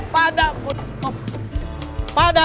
pada konspirasi global